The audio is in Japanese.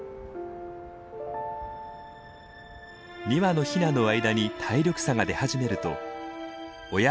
２羽のヒナの間に体力差が出始めると親鳥に追いつける